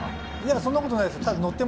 そんなことないですよ。